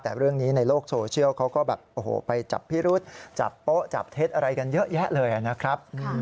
แต่เรื่องนี้ในโลกโซเชียลเขาก็แบบโอ้โหไปจับพิรุษจับโป๊ะจับเท็จอะไรกันเยอะแยะเลยนะครับ